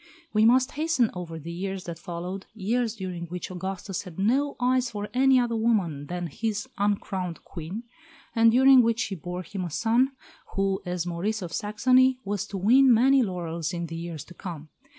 We must hasten over the years that followed years during which Augustus had no eyes for any other woman than his "uncrowned Queen," and during which she bore him a son who, as Maurice of Saxony, was to win many laurels in the years to come.